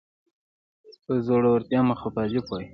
به د زړورتیا مخالف وای